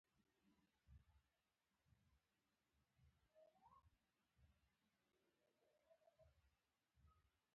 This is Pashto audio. د محصل لپاره زده کړه یوازې کتاب نه ده.